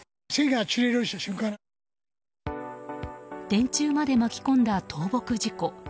電柱まで巻き込んだ倒木事故。